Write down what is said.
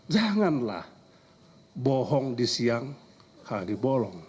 janganlah bohong di siang kalau dibolong